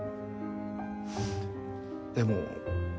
でも。